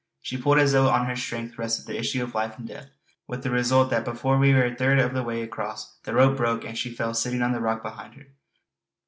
She pulled as though on her strength rested the issue of life and death; with the result that before we were a third of the way across the rope broke and she fell sitting on the rock behind her.